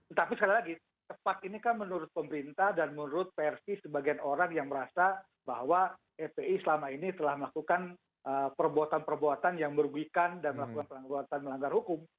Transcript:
tetapi sekali lagi tepat ini kan menurut pemerintah dan menurut versi sebagian orang yang merasa bahwa fpi selama ini telah melakukan perbuatan perbuatan yang merugikan dan melakukan perbuatan melanggar hukum